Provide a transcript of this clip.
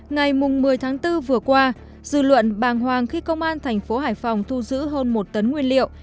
ngày một mươi tháng bốn vừa qua dư luận bàng hoàng khi công an thành phố hải phòng thu giữ hơn một tấn nguyên liệu